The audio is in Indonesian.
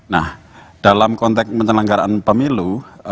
nah dalam konteks penyelenggaraan pemilu